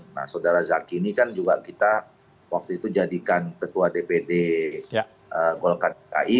nah saudara zaki ini kan juga kita waktu itu jadikan ketua dpd golkar kai